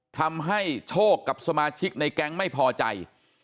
ทำให้โชคกับสมาชิกในแก๊งไม่พอใจ